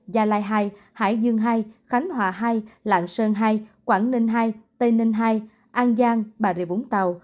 gia lai hai hải dương hai khánh hòa hai lạng sơn hai quảng ninh hai tây ninh hai an giang bà rịa vũng tàu